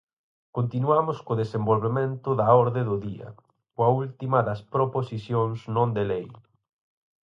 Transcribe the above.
Continuamos co desenvolvemento da orde do día, coa última das proposicións non de lei.